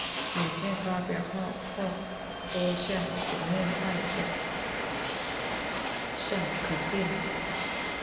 影片发表后获多项国内外奖项肯定。